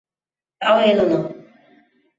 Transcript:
তাও এল না।